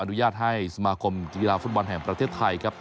อุญาตให้สมาคมกีฬาฟุตบอลแห่งประเทศไทยครับ